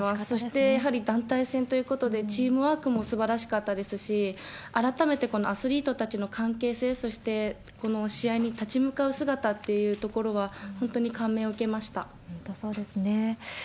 そしてやはり団体戦ということで、チームワークもすばらしかったですし、改めてこのアスリートたちの関係性、そしてこの試合に立ち向かう姿っていうところは、本当に感銘を受本当そうですね。